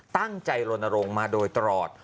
ตั้งใจลงมาโดยตลอด